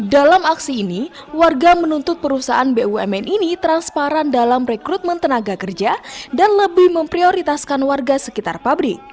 dalam aksi ini warga menuntut perusahaan bumn ini transparan dalam rekrutmen tenaga kerja dan lebih memprioritaskan warga sekitar pabrik